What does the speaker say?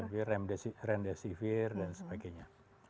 oseltamivir remdesivir dan sebagainya